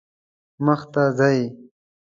مخ ته ځئ